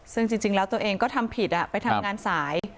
ซึ่งจริงแล้วตัวเองก็ทำผิดไปทำงานสาย